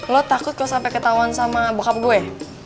lo takut kok sampai ketahuan sama bokap gue